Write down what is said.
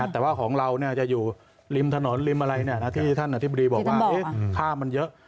แต่ว่าของเราจะอยู่ริมถนนริมอะไรที่ท่านอธิบดีบอกว่าค่ามันเยอะ